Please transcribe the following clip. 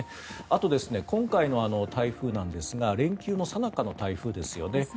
あと、今回の台風なんですが連休のさなかの台風ですよね。